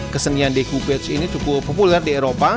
kesenian decoupage ini cukup populer di eropa